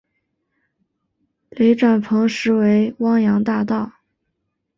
雷展鹏实为汪洋大盗。